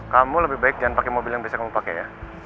kamu lebih baik jangan pake mobil yang bisa kamu pake ya